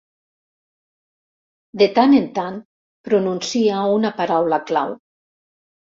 De tant en tant pronuncia una paraula clau.